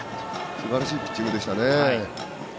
すばらしいピッチングでしたね。